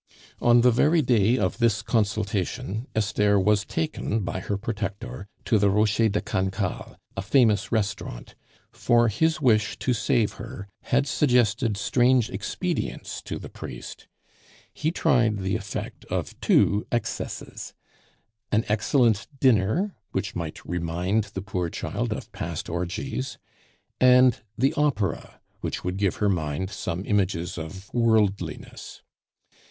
On the very day of this consultation, Esther was taken by her protector to the Rocher de Cancale, a famous restaurant, for his wish to save her had suggested strange expedients to the priest. He tried the effect of two excesses an excellent dinner, which might remind the poor child of past orgies; and the opera, which would give her mind some images of worldliness.